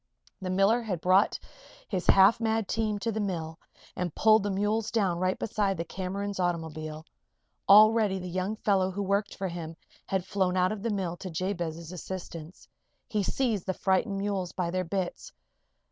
The miller had brought his half mad team to the mill and pulled the mules down right beside the Cameron's automobile. Already the young fellow who worked for him had flown out of the mill to Jabez's assistance. He seized the frightened mules by their bits.